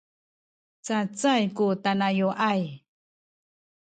cacay ku tanaya’ay